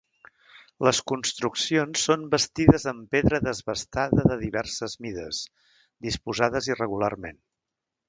Les construccions són bastides en pedra desbastada de diverses mides, disposades irregularment.